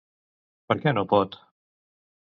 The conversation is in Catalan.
Per què no pot?